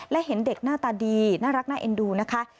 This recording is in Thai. และเห็นเด็กหน้าตาดีน่ารักน่าเอ็นดูนะคะ